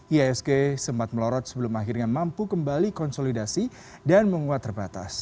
iasg sempat melorot sebelum akhirnya mampu kembali konsolidasi dan menguat terbatas